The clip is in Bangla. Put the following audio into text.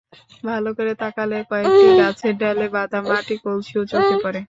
ভালো করে তাকালে কয়েকটি গাছের ডালে বাঁধা মাটির কলসিও চোখে পড়ে।